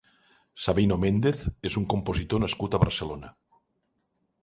Sabino Méndez és un compositor nascut a Barcelona.